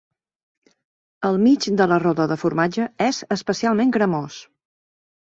El mig de la roda de formatge és especialment cremós.